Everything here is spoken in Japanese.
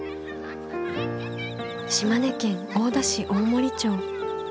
島根県大田市大森町。